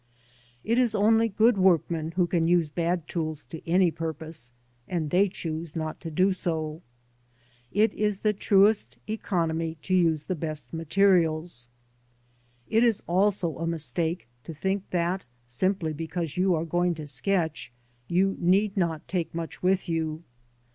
It is only good workmen who can use bad tools to any purpose, and they choose hot to do so. It is the truest economy to use the best materials.* It is also a mistake to think that simply because you are going to sketch, you need not take much with you.